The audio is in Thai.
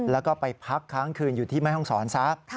แล้วก็ไปพักค้างคืนอยู่ที่แม่ห้องศรซะ